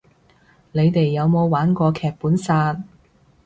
你哋有冇玩過劇本殺